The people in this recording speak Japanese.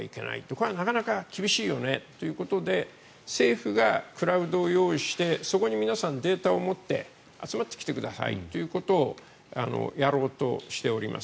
これはなかなか厳しいよねということで政府がクラウドを用意してそこに皆さん、データを持って集まってきてくださいということをやろうとしております。